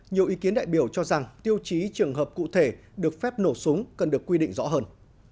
nhiều ý kiến đại biểu cho rằng tiêu chí trường hợp cụ thể được phép nổ súng cần được quy định rõ hơn